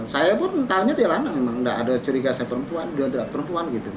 saya pun tahunya di lana memang nggak ada curiga saya perempuan dia perempuan gitu